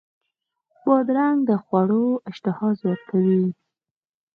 بادرنګ د خوړو اشتها زیاته کوي.